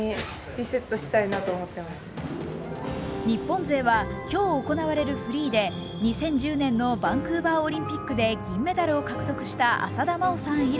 日本勢は今日行われるフリーで２０１０年のバンクーバーオリンピックで銀メダルを獲得した浅田真央さん